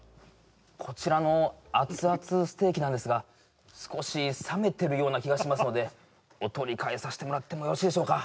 こちらの熱々ステーキなんですが少し冷めてるような気がしますのでお取り替えさせてもらってもよろしいでしょうか？